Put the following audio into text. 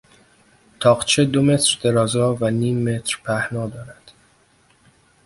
تاقچه دو متر درازا و نیم متر پهنا دارد.